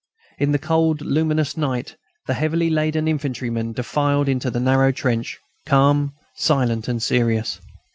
In the cold, luminous night, the heavily laden infantrymen defiled into the narrow trench, calm, silent, and serious.